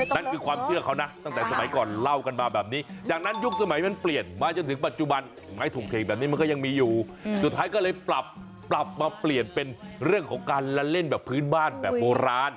นั่นคือความเชื่อเขานะตั้งแต่สมัยก่อนเล่ากันมาแบบนี้จากนั้นยุคสมัยมันเปลี่ยนมาจนถึงปัจจุบันไม้ถุงเพลงแบบนี้มันก็ยังมีอยู่สุดท้ายก็เลยปรับปรับมาเปลี่ยนเป็นเรื่องของการละเล่นแบบพื้นบ้านแบบโบราณ